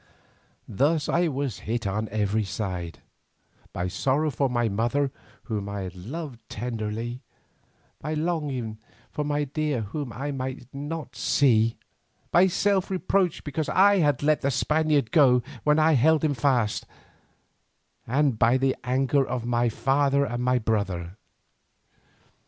Thus I was hit on every side; by sorrow for my mother whom I had loved tenderly, by longing for my dear whom I might not see, by self reproach because I had let the Spaniard go when I held him fast, and by the anger of my father and my brother.